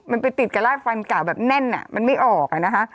มันไปติดกับราดฟันเก่าแบบแน่นอ่ะมันไม่ออกอะนะคะ